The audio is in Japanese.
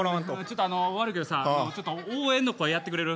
ちょっと悪いけどさちょっと応援の声やってくれる？